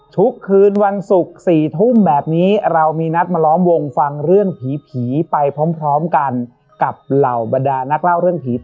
ทุกคืนวันศุกร์๔ทุ่มแบบนี้เรามีนัดมาล้อมวงฟังเรื่องผีไปพร้อมกันกับเหล่าบรรดานักเล่าเรื่องผี